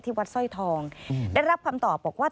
ที่วัดสร้อยทองได้รับคำตอบว่า